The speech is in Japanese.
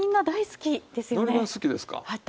大好きです。